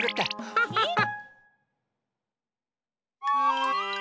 ハハハ！